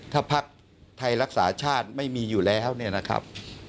ถ้าพักไทยรักษาชาติไม่มีอยู่แล้วเนี่ยนะครับ